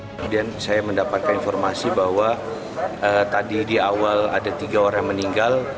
kemudian saya mendapatkan informasi bahwa tadi di awal ada tiga orang yang meninggal